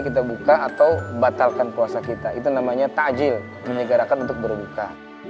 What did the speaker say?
kita buka atau batalkan puasa kita itu namanya takjil menyegarkan untuk berbuka